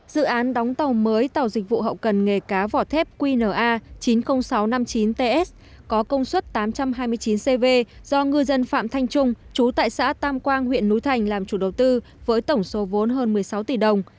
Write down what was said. dự án đóng tàu mới tàu dịch vụ hậu cần nghề cá vỏ thép qna chín mươi nghìn sáu trăm năm mươi chín ts có công suất tám trăm hai mươi chín cv do ngư dân phạm thanh trung chú tại xã tam quang huyện núi thành làm chủ đầu tư với tổng số vốn hơn một mươi sáu tỷ đồng